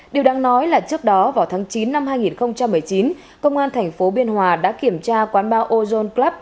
điều đáng nói là trước đó vào tháng chín năm hai nghìn một mươi chín công an thành phố biên hòa đã kiểm tra quán bar ozone club